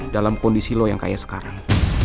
dalam kondisi lo yang kayak sekarang